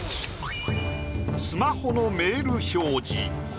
スマホのメール表示。